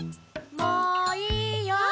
・もういいよ。